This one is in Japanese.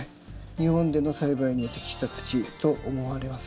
日本での栽培に適した土と思われます。